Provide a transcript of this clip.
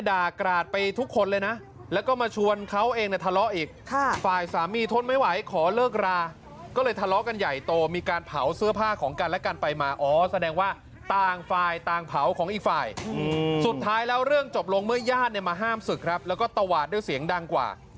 อาฆดิมาห้ามสึกและตวาดด้วยเสียงดังกว่า